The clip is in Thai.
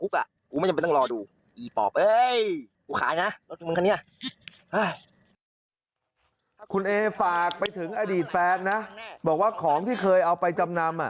คุณเอฝากไปถึงอดีตแฟนนะบอกว่าของที่เคยเอาไปจำนำ